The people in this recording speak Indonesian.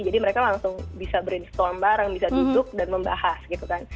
jadi mereka langsung bisa brainstorm bareng bisa duduk dan membahas gitu kan